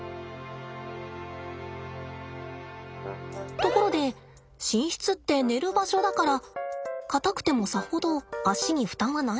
ところで寝室って寝る場所だから硬くてもさほど足に負担はないんじゃって思いません？